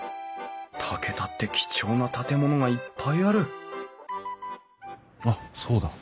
竹田って貴重な建物がいっぱいあるあっそうだ。